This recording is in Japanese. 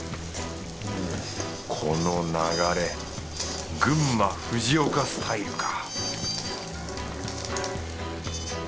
この流れ群馬藤岡スタイルか